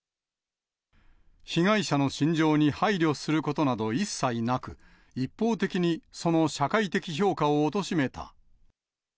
被害者の心情に配慮することなど一切なく、一方的にその社会的評価をおとしめた。